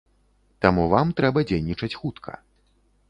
Таму вам трэба дзейнічаць хутка.